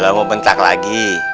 lu mau bentak lagi